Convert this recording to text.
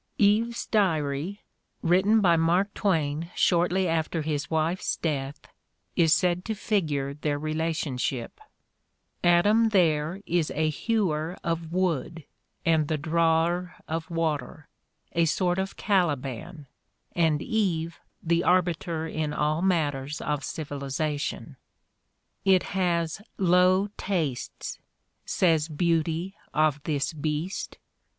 "Eve's Diary," written by Mark Twain shortly after his wife's death, is said to figure their relationship: Adam there is the hewer of wood and the drawer of water, a sort of Caliban, and Eve the arbiter in all mat ters of civilization. "It has low tastes," says Beauty of this Beast.